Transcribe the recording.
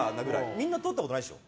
みんな撮ったことないでしょ？